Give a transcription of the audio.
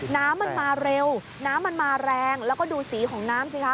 น้ำมันมาเร็วน้ำมันมาแรงแล้วก็ดูสีของน้ำสิคะ